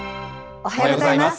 おはようございます。